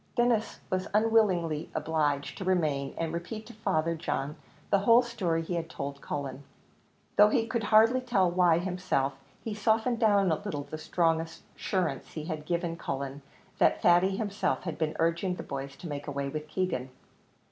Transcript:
Denis was unwillingly obliged to remain, and repeat to Father John the whole story he had told Cullen. Though he could hardly tell why himself, he softened down a little the strong assurance he had given Cullen that Thady himself had been urging the boys to make away with Keegan.